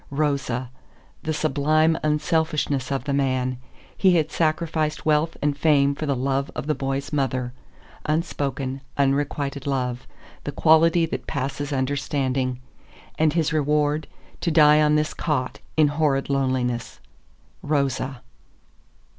Rosa. The sublime unselfishness of the man! He had sacrificed wealth and fame for the love of the boy's mother unspoken, unrequited love, the quality that passes understanding. And his reward: to die on this cot, in horrid loneliness. Rosa.